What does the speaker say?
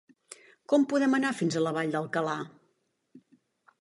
Com podem anar fins a la Vall d'Alcalà?